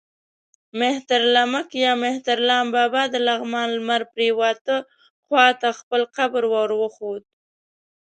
مهترلمک یا مهترلام بابا د لغمان لمر پرېواته خوا ته خپل قبر ور وښود.